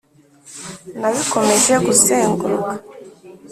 Nabikomeje kuzengerezwa,